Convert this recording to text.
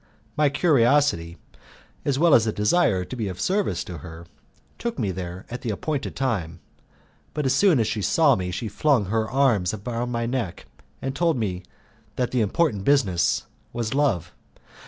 My curiosity, as well as a desire to be of service to her, took me there at the appointed time; but as soon as she saw me she flung her arms round my neck, and told me that the important business was love.